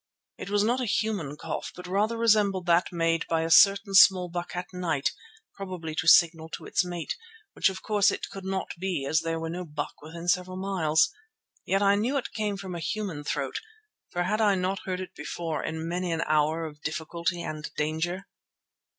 It was not a human cough, but rather resembled that made by a certain small buck at night, probably to signal to its mate, which of course it could not be as there were no buck within several miles. Yet I knew it came from a human throat, for had I not heard it before in many an hour of difficulty and danger?